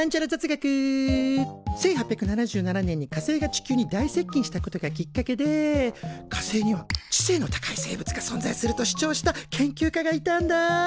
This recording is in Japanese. １８７７年に火星が地球に大接近したことがきっかけで火星には知性の高い生物が存在すると主張した研究家がいたんだ。